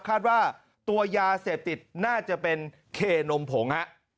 คาดว่าตัวยาเสพติดน่าจะเป็นเคนมผงฮะ